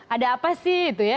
ada apa sih itu ya